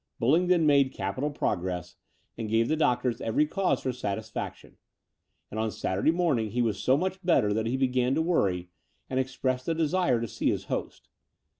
Bullingdon made capital progress and gave the doctors every cause for satisfaction; and on Saturday morning he was so much better that he began to worry, and expressed a desire to see his host.